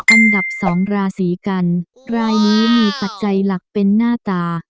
อันดับ๒ราศีกันรายนี้มีปัจจัยหลักเป็นหน้าตา